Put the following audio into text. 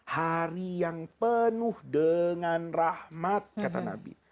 hari yang penuh dengan rahmat kata nabi